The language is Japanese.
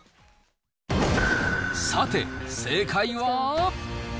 さて、正解は。